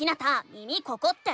「耳ここ⁉」って。